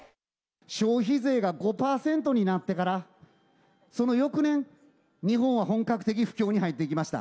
消費税が５％になってから、その翌年、日本は本格的不況に入っていきました。